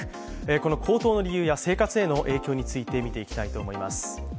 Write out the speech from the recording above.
この高騰の理由や生活への影響について見ていきます。